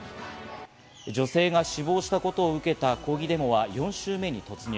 女性が死亡したことを受けた抗議デモは４週目に突入。